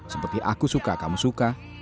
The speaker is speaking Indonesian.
seperti aku suka kamu suka